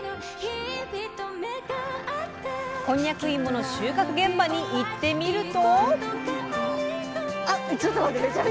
こんにゃく芋の収穫現場に行ってみると。